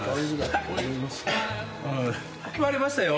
決まりましたよ。